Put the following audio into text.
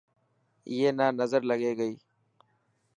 اي نا نظر لگي گئي.